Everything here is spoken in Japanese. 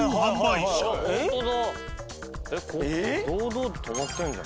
ここ堂々ととまってんじゃん。